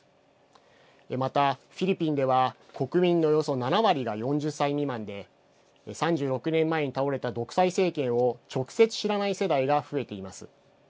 また、フィリピンでは国民のおよそ７割が４０歳未満で３６年前に倒れた独裁政権を直接知らない世代が増えています。